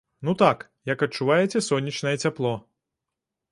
Ну, так, як адчуваеце сонечнае цяпло.